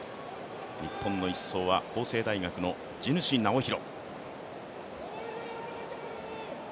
日本の１走は法政大学の地主直央。